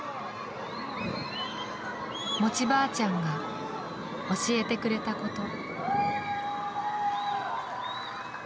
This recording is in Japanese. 餅ばあちゃんが教えてくれたこと。